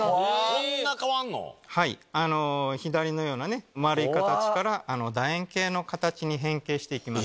こんな変わんの⁉左のようなね丸い形からだ円形の形に変形していきます。